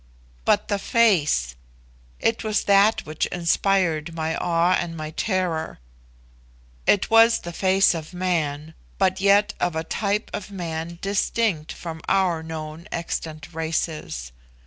But the face! it was that which inspired my awe and my terror. It was the face of man, but yet of a type of man distinct from our known extant races.